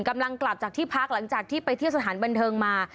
กลับจากที่พักหลังจากที่ไปเที่ยวสถานบันเทิงมา